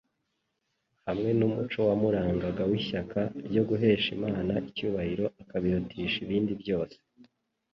hamwe n'umuco wamurangaga w'ishyaka ryo guhesha Imana icyubahiro akabirutisha ibindi byose,